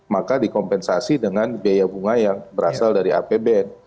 maka dikompensasi dengan biaya bunga yang berasal dari apbn